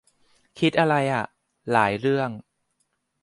คืออะไรอ่ะ หลายเรื่อง